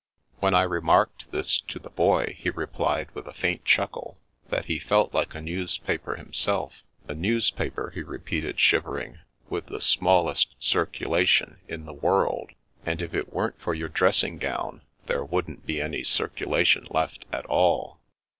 When I remarked this to the Boy he replied with a faint chuckle that he felt like a newspaper himself —" a newspaper," he repeated, shivering, " with the smallest circulation in the world. And if it weren't for your dressing gown there wouldn't be any circu lation left at all."